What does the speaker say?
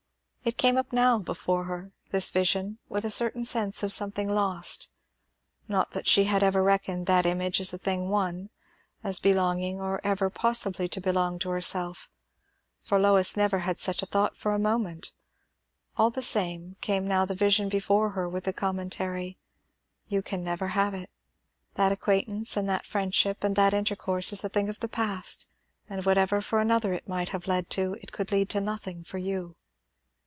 It came up now before her, this vision, with a certain sense of something lost. Not that she had ever reckoned that image as a thing won; as belonging, or ever possibly to belong, to herself; for Lois never had such a thought for a moment. All the same came now the vision before her with the commentary, 'You never can have it. That acquain'tance, and that friendship, and that intercourse, is a thing of the past; and whatever for another it might have led to, it could lead to nothing for you.'